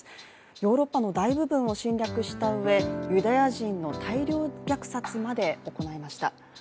ヨーロッパの大部分を侵略したうえユダヤ人の大量虐殺まで行いました。